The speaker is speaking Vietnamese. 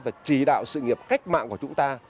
và chỉ đạo sự nghiệp cách mạng của chúng ta